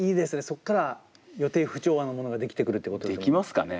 そこから予定不調和なものができてくるってことですね。